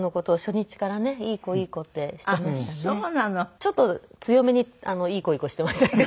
ちょっと強めにいい子いい子していましたけど。